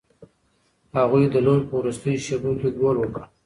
هغوی د لوبې په وروستیو شیبو کې ګول وکړ.